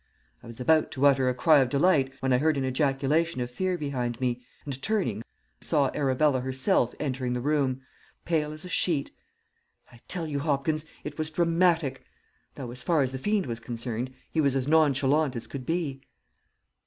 I was about to utter a cry of delight when I heard an ejaculation of fear behind me, and turning saw Arabella herself entering the room, pale as a sheet. I tell you Hopkins, it was dramatic; though, as far as the fiend was concerned, he was as nonchalant as could be.